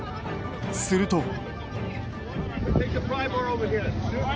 すると。